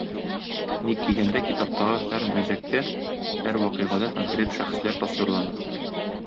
Ник дигәндә, китаптагы һәр мәзәктә, һәр вакыйгада конкрет шәхесләр тасвирлана.